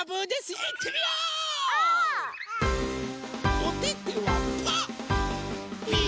おててはパー。